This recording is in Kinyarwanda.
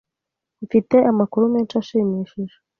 Mfite amakuru meza ashimishije.